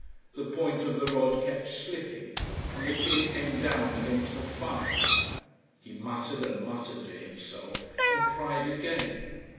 The point of the rod kept slipping, and the kid came down against the fire. He muttered and muttered to himself, and tried again.